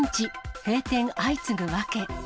閉店相次ぐ訳。